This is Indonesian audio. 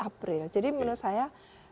april jadi menurut saya